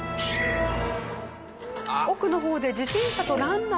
奥の方で自転車とランナーが衝突。